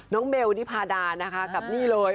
เบลนิพาดานะคะกับนี่เลย